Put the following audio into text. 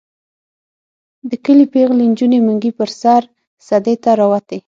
د کلي پېغلې نجونې منګي په سر سدې ته راوتې.